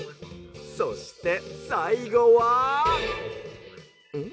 「そしてさいごは。ん？」。